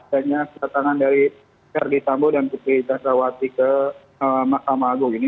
hanya pertanyaan dari ferdi sambo dan putri candrawati ke mahkamah agung ini